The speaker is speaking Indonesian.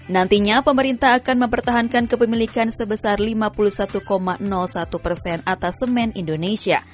nantinya pemerintah akan mempertahankan kepemilikan sebesar lima puluh satu satu persen atas semen indonesia